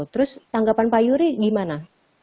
terus tanggapan pak yuri gimana